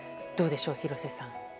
どうでしょう、廣瀬さん。